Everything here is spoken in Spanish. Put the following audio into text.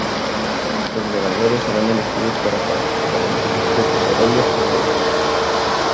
Los ganadores serán elegidos para participar en películas de parodia pornográficas.